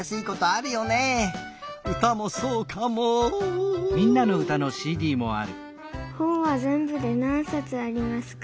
「うたもそうかも」ほんはぜんぶでなんさつありますか？